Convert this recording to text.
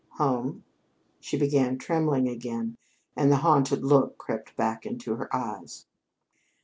"Home?" She began trembling again and the haunted look crept back into her eyes.